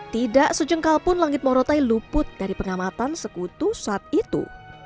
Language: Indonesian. tidak sejengkal pun langit morotai luput dari pengamatan sekutu saat itu